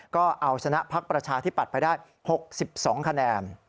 ก็เอาชนะพักประชาธิปัตย์ไปได้๖๒คะแนน